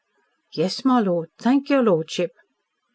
"Yes, my lord. Thank your lordship."